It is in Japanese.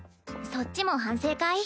そっちも反省会？